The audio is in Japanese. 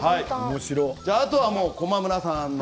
あとは駒村さんの。